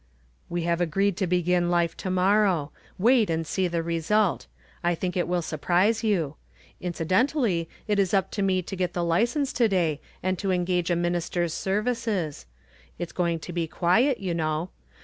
"We have agreed to begin life to morrow. Wait and see the result. I think it will surprise you. Incidentally it is up to me to get the license to day and to engage a minister's services. It's going to be quiet, you know.